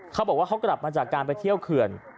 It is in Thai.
เขาบอกว่าเขากลับมาจากการไปเที่ยวเขื่อน